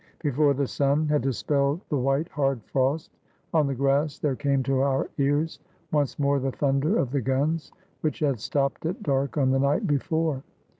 Before the sun had dispelled the white, hard frost on the grass there came to our ears once more the thunder of the guns, which had stopped at dark on the night before.